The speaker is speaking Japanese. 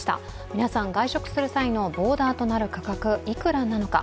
皆さん、外食する際のボーダーとなる価格、いくらなのか。